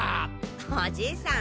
おじさん